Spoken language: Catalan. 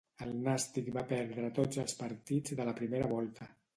El Nàstic va perdre tots els partits de la primera volta.